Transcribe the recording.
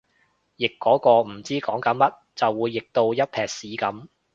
譯嗰個唔知講緊乜就會譯到一坺屎噉